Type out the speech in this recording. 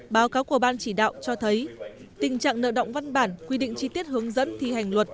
báo cáo của ban chỉ đạo cho thấy tình trạng nợ động văn bản quy định chi tiết hướng dẫn thi hành luật